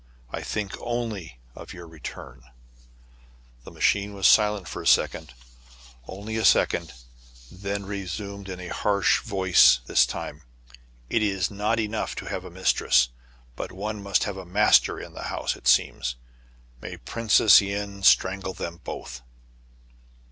I think only of your return "— The machine was silent a second, only a POUR CITIES IN ONE. 163 second ; then resumed, in a harsh voice this time, —" It is not enough to have a mistress, but one must have a master in the house, it seems ! May Prince len strangle them both